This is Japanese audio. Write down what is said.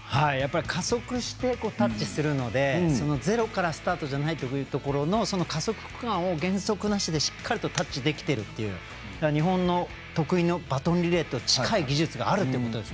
加速して、タッチするのでゼロからスタートじゃないという加速区間を減速なしでしっかりとタッチできているという日本の得意のバトンリレーと近い技術があるということです。